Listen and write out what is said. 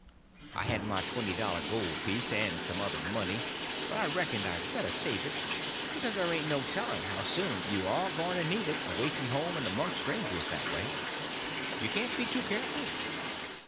I had my twenty dollar gold piece and some other money, but I reckoned I better save it, because there ain't no telling how soon you are going to need it, away from home and amongst strangers that way. You can't be too careful.